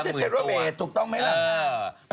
มันไม่ใช่เธอโรเมตต์ถูกต้องไหมครับ